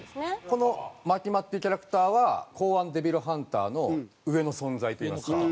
このマキマっていうキャラクターは公安デビルハンターの上の存在といいますか。